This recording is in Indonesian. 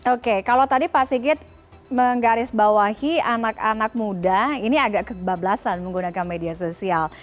oke kalau tadi pak sigit menggarisbawahi anak anak muda ini agak kebablasan menggunakan media sosial